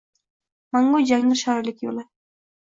Mangu jangdir shoirlik yoʻli.